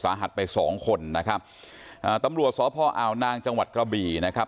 หัดไปสองคนนะครับอ่าตำรวจสพอาวนางจังหวัดกระบี่นะครับ